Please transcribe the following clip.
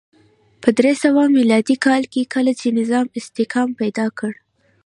په درې سوه میلادي کال کې کله چې نظام استحکام پیدا کړ